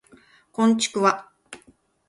こんちくわ